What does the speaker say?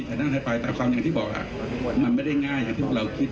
แต่น่าจะไปแต่ความอย่างที่บอกมันไม่ได้ง่ายอย่างที่พวกเราคิด